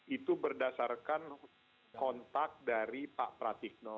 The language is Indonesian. itu berdasarkan kontak dari pak pratikno